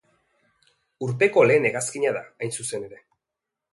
Urpeko lehen hegazkina da, hain zuzen ere.